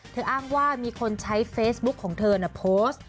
อ้างว่ามีคนใช้เฟซบุ๊กของเธอโพสต์